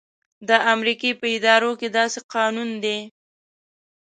د امریکې په ادارو کې داسې قانون دی.